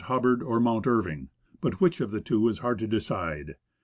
ELIAS Hubbard or Mount Irving, but which of the two it is hard to decide.